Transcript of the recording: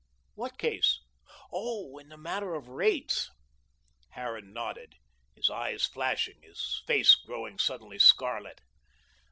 "What case? Oh, in the matter of rates?" Harran nodded, his eyes flashing, his face growing suddenly scarlet.